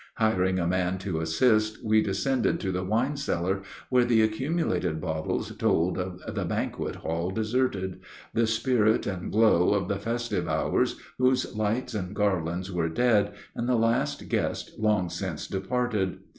Hiring a man to assist, we descended to the wine cellar, where the accumulated bottles told of the "banquet hall deserted," the spirit and glow of the festive hours whose lights and garlands were dead, and the last guest long since departed.